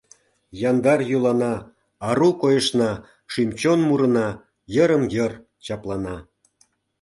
Яндар йӱлана, Ару койышна, Шӱм-чон мурына Йырым-йыр чаплана.